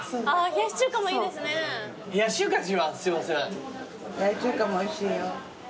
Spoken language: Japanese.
冷やし中華もおいしいよ。